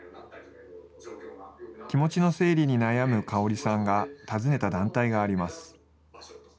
気持ちの整理に悩む香さんが訪ねた団体があります。